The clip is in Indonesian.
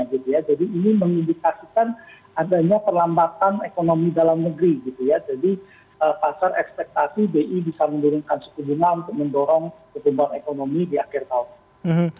jadi pasar ekspektasi bi bisa menurunkan setengah bunga untuk mendorong kebimbangan ekonomi di akhir tahun